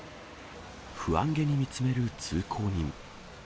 不安げに見つめる通行人。